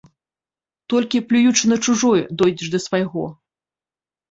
Толькі плюючы на чужое, дойдзеш да свайго.